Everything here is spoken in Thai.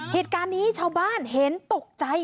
เหตุการณ์นี้ชาวบ้านเห็นตกใจ